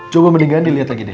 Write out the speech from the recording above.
coba mendingan dilihat lagi deh